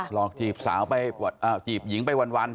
อกจีบสาวไปจีบหญิงไปวัน